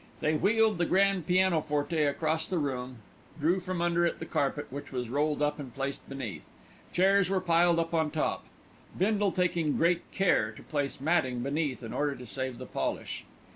They wheeled the grand pianoforte across the room, drew from under it the carpet, which was rolled up and placed beneath. Chairs were piled up on top, Bindle taking great care to place matting beneath in order to save the polish.